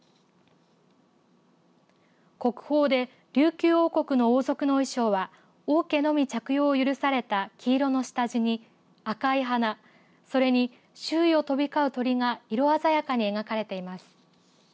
国宝で琉球王国の王族の衣装は王家のみ着用を許された黄色の下地に赤い花、それに周囲を飛び交う鳥が色鮮やかに描かれています。